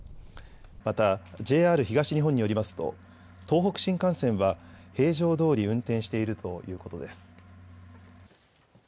また、ＪＲ東日本によりますと、東北新幹線は、平常どおり運転しているということです。